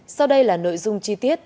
sau đây là nội dung chi tiết